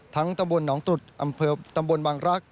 ทั้งตำบลหนองตุดอำเภอตำบลบังรัก